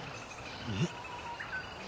えっ？